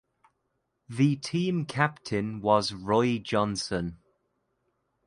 The team captain was Roy Johnson.